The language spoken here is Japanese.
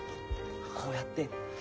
こうやって。